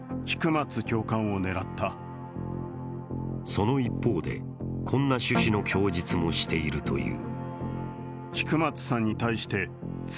その一方で、こんな趣旨の供述もしているという。